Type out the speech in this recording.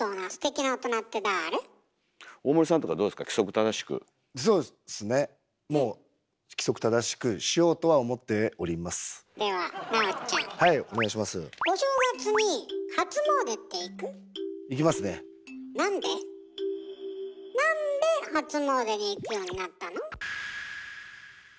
なんで初詣に行くようになったの？